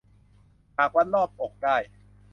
หากวัดรอบอกได้